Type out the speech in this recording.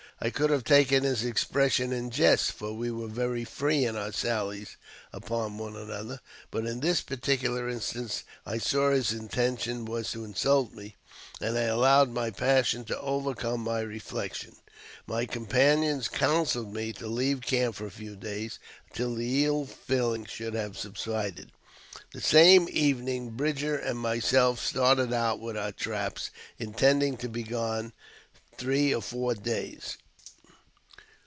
I could have taken his expression in jest, for we were very free in our sallies upon one another ; but in this par ticular instance I saw his intention was to insult me, and I allowed my passion to overcome my reflection. My com panions counselled me to leave camp for a few days until the ill feeUng should have subsided. The same evening Captain Bridger and myself started out with our traps, intending to be gone three or four days.